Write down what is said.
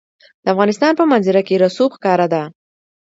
د افغانستان په منظره کې رسوب ښکاره ده.